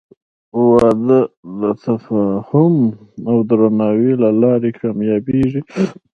• واده د تفاهم او درناوي له لارې کامیابېږي.